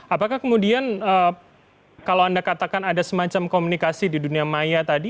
apakah kemudian kalau anda katakan ada semacam komunikasi di dunia maya tadi